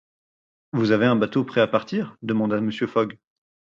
Vous avez un bateau prêt à partir? demanda Mr. Fogg.